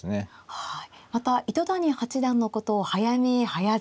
はい。